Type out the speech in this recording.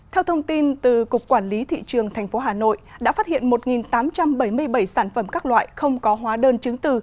theo thông tin từ cục quản lý thị trường tp hà nội đã phát hiện một tám trăm bảy mươi bảy sản phẩm các loại không có hóa đơn chứng từ